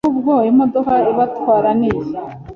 Dore ahubwo imodoka ibatwara niyi